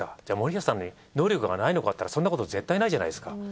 じゃあ森保さんに能力がないのかっていったらそんなこと絶対ないじゃないですか。